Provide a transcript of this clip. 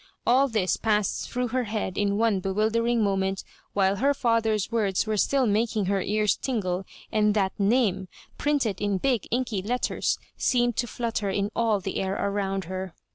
All this passed through her head in the one bewil dering moment, while her &ther's words were still making her ears tingle, and thai name^ pjrinted in big inky letters, seemed to fiutter in all the air round her.